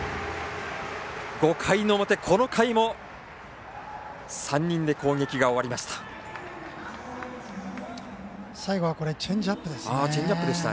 ５回の表この回も３人で攻撃が終わりました。